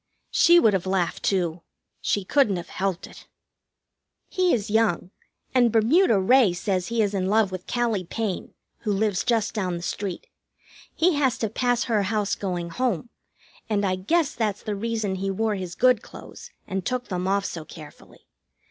She would have laughed, too. She couldn't have helped it. He is young, and Bermuda Ray says he is in love with Callie Payne, who lives just down the street. He has to pass her house going home, and I guess that's the reason he wore his good clothes and took them off so carefully.